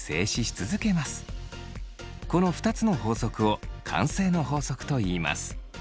この２つの法則を慣性の法則といいます。